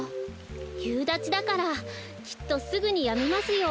ゆうだちだからきっとすぐにやみますよ。